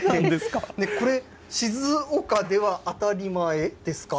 これ、静岡では当たり前ですか？